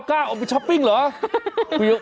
กล้าออกไปช้อปปิ้งเหรอ